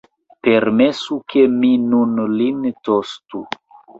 Permesu, ke mi nun lin tostu!